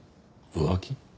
浮気？